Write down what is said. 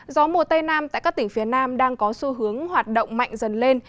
gió mùa tây nam tại các tỉnh phía nam đang có xu hướng hoạt động mạnh dần lên